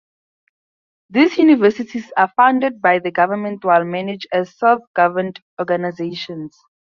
These universities are funded by the government while managed as self-governed organizations.